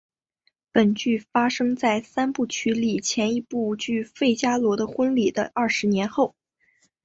本剧发生在三部曲里前一部剧费加罗的婚礼的二十年后。